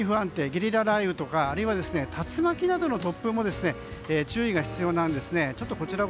ゲリラ雷雨とか竜巻などの突風にも注意が必要なんです。